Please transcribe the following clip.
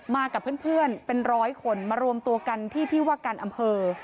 กับเพื่อนเป็นร้อยคนมารวมตัวกันที่ที่ว่าการอำเภอ